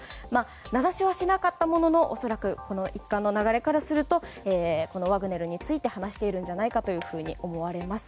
名指しはしなかったものの恐らく一連の流れからするとワグネルについて話しているんじゃないかと思われます。